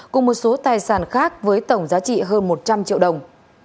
cùng một số tài sản khác với tổng giá trị hơn một trăm linh triệu đồng